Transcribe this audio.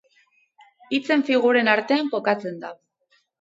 Hitzen figuren artean kokatzen da.